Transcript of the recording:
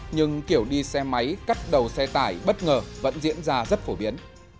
nhưng kiểu đi xe máy cắt đầu xe tải bất ngờ vẫn diễn ra rất phổ biến